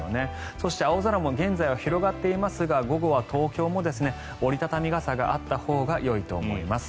そして、青空も現在は広がっていますが午後は東京も折り畳み傘があったほうがよいと思います。